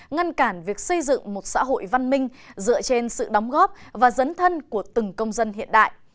ngăn cản việc xây dựng một xã hội văn minh dựa trên sự đóng góp và dấn thân của từng công dân hiện đại